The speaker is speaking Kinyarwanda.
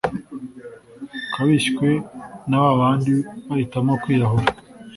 kabishywe na babandi bahitamo kwiyahura